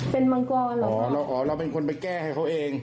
เป็นมังกรเหรออ๋อเราอ๋อเราเป็นคนไปแก้ให้เขาเอง